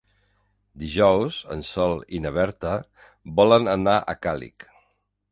Dijous en Sol i na Berta volen anar a Càlig.